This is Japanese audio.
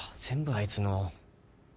全部あいつの。